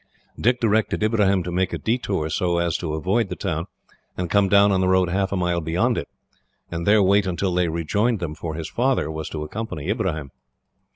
Dick directed Ibrahim to make a detour, so as to avoid the town and come down on the road half a mile beyond it, and there wait until they rejoined them for his father was to accompany Ibrahim.